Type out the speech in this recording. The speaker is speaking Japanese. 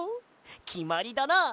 きまりだな！